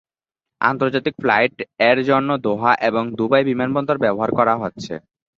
আন্তর্জাতিক ফ্লাইট এরজন্য দোহা এবং দুবাই বিমানবন্দর ব্যবহার করা হচ্ছে।